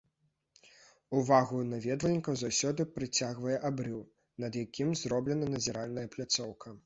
Увагу наведвальнікаў заўсёды прыцягвае абрыў, над якім зроблена назіральная пляцоўка.